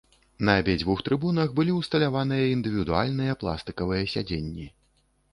На абедзвюх трыбунах былі ўсталяваныя індывідуальныя пластыкавыя сядзенні.